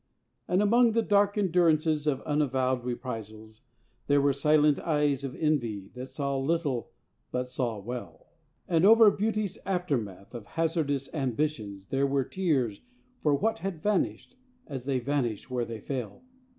And among the dark endurances of unavowed reprisals There were silent eyes of envy that saw little but saw well; And over beauty's aftermath of hazardous ambitions There were tears for what had vanished as they vanished where they fell.